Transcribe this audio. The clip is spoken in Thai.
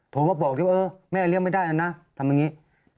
ตรงมาบอกเลยว่าแม่เลี้ยงไม่ได้นะทำอย่างนี้